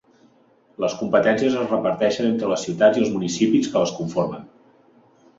Les competències es reparteixen entre les ciutats i els municipis que les conformen.